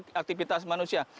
boleh ada aktivitas manusia